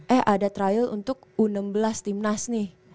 eh ada trial untuk u enam belas timnas nih